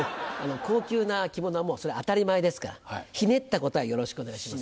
高級な着物はもうそれ当たり前ですからひねった答えよろしくお願いします。